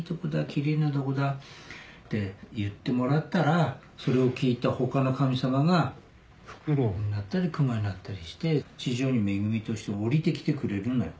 キレイなとこだって言ってもらったらそれを聞いた他の神様がフクロウになったり熊になったりして地上に恵みとして降りて来てくれるのよ。